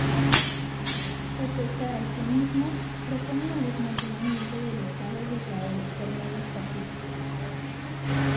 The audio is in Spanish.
Opuesta al sionismo, propone el desmantelamiento del Estado de Israel por medios pacíficos.